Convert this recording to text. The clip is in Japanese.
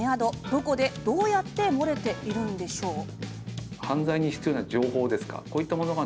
どこで、どうやって漏れているんでしょうか？